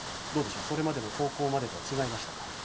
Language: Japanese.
それまでの高校までと違いましたか？